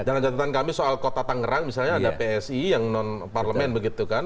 dan anggaran kami soal kota tangerang misalnya ada psi yang non parlemen begitu kan